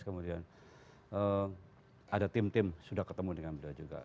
kemudian ada tim tim sudah ketemu dengan beliau juga